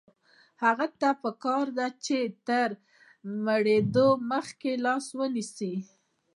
هغه ته پکار ده چې تر مړېدو مخکې لاس ونیسي.